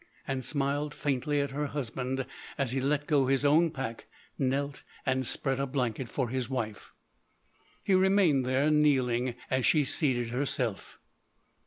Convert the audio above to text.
And smiled faintly at her husband as he let go his own pack, knelt, and spread a blanket for his wife. He remained there, kneeling, as she seated herself.